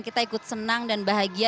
kita ikut senang dan bahagia